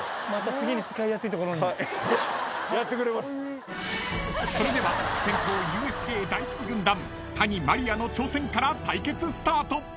［それでは先攻ＵＳＪ大好き軍団谷まりあの挑戦から対決スタート］